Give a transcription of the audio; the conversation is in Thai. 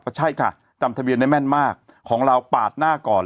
ใช่ค่ะจำทะเบียนได้แม่นมากของเราปาดหน้าก่อน